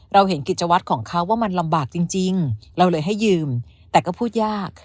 เราเห็นกิจวัตรของเขาว่ามันลำบากจริงเราเลยให้ยืมแต่ก็พูดยาก